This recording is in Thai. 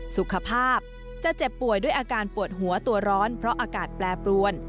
สุขภาพจะเจ็บป่วยด้วยอาการปวดหัวตัวร้อนเพราะอากาศแปรปรวน